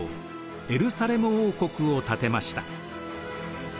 エルサレム王国を建てました。